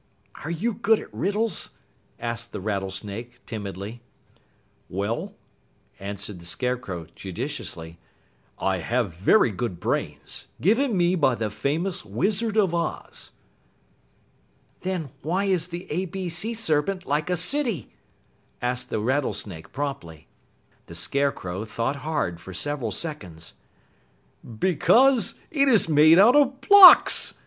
"Are you good at riddles?" asked the Rattlesnake timidly. "Well," answered the Scarecrow judiciously, "I have very good brains, given me by the famous Wizard of Oz." "Then why is the A B Sea Serpent like a city?" asked the Rattlesnake promptly. The Scarecrow thought hard for several seconds. "Because it is made up of blocks!"